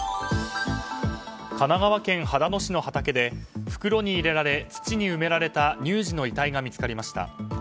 神奈川県秦野市の畑で袋に入れられ土に埋められた乳児の遺体が見つかりました。